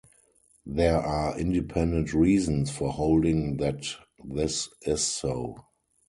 There are independent reasons for holding that this is so.